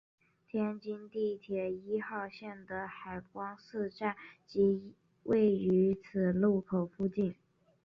天津地铁一号线的海光寺站即位于此路口附近。